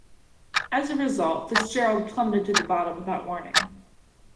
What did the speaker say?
As a result, "Fitzgerald" plummeted to the bottom without warning.